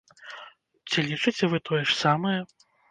Ці лічыце вы тое ж самае?